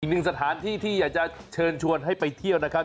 อีกหนึ่งสถานที่ที่อยากจะเชิญชวนให้ไปเที่ยวนะครับ